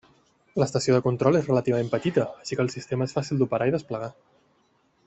L'estació de control és relativament petita així que el sistema és fàcil d'operar i desplegar.